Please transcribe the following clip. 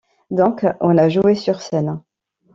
Donc on a joué sur scène.